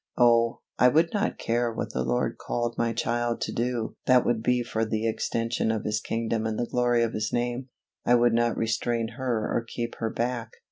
Oh! I would not care what the Lord called my child to do that would be for the extension of His kingdom and the glory of His name; I would not restrain her or keep her back.